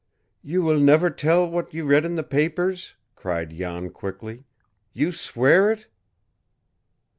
"You will never tell what you read in the papers?" cried Jan quickly. "You swear it?"